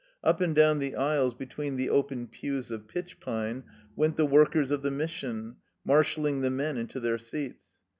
I Up and down the aisles between the open pews of pitch pine went the workers of the Mission, marshal ing the men into their seats.